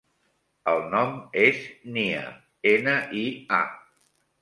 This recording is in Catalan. El nom és Nia: ena, i, a.